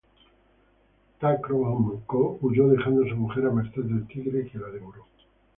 Ta Krohom-Koh huyó dejando a su mujer a merced del tigre, que la devoró.